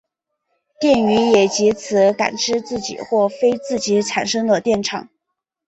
电鱼也藉此感知自己或非自己产生的电场。